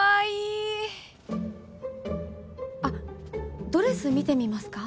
あっドレス見てみますか？